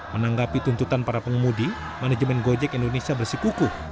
menanggapi tuntutan para pengemudi manajemen gojek indonesia bersikukuh